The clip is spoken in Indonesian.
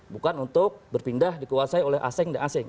bukan untuk berpindah dikuasai oleh asing dan asing